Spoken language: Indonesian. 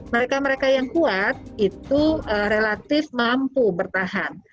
mereka mereka yang kuat itu relatif mampu bertahan